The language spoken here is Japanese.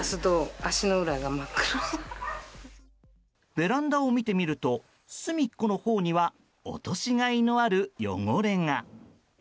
ベランダを見てみると隅っこのほうには落としがいのある汚れが。